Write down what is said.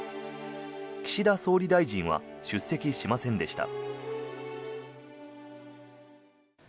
岸田総理大臣は出席しませんでした。